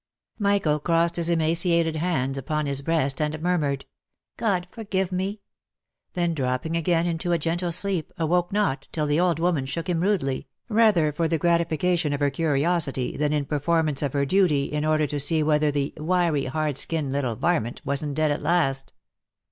Michael crossed his emaciated hands upon his breast, and murmured, " God forgive me !"— then dropping again into a gentle sleep, awoke not, till the old woman shook him rudely, rather for the gratification of her curiosity, than in performance of her duty, in order to see whether the "wiry, hard skinned little varment wasn't dead 'at last."